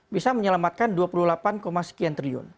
bisa menyelamatkan dua puluh delapan sekian triliun